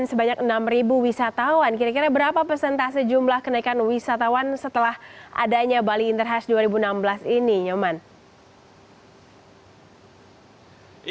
sebanyak enam wisatawan kira kira berapa persentase jumlah kenaikan wisatawan setelah adanya bali interhash dua ribu enam belas ini nyoman